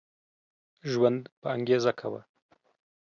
ژوند په انګيزه کوه